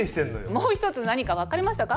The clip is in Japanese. もう１つ何か分かりましたか？